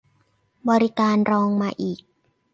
บริการรองมาอีก